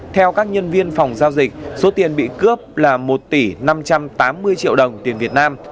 theo các nhân viên phòng giao dịch số tiền bị cướp là một tỷ năm trăm tám mươi triệu đồng tiền việt nam